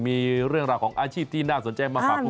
มีเรื่องราวของอาชีพที่น่าสนใจมาฝากผม